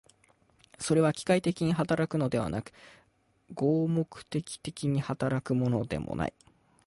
それは機械的に働くのではなく、合目的的に働くのでもない。